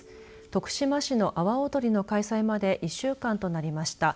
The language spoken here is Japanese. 徳島市の阿波おどりの開催まで１週間となりました。